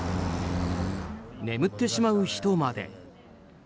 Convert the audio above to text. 眠ってしまう人まで。